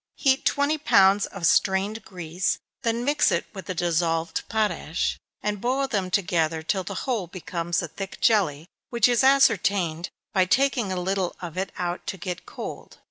Heat twenty pounds of strained grease, then mix it with the dissolved potash, and boil them together till the whole becomes a thick jelly, which is ascertained by taking a little of it out to get cold.